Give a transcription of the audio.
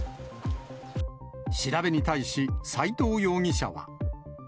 調べに対し斉藤容疑者は。